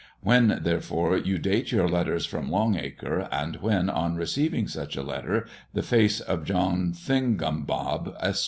When, therefore, you date your letters from Long acre, and when, on receiving such a letter, the face of John Thingumbob, Esq.